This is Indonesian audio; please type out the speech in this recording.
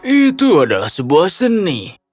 itu adalah sebuah seni